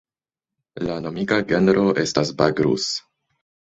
La nomiga genro estas "Bagrus".